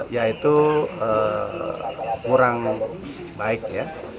yaitu kurang baik ya